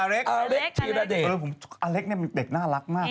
อเล็กเนี่ยเป็นเด็กน่ารักมาก